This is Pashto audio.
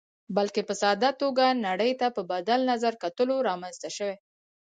بلکې په ساده توګه نړۍ ته په بدل نظر کتلو رامنځته شوې.